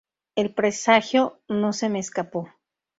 El presagio no se me escapo.